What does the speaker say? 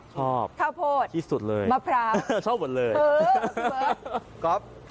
ชอบมาก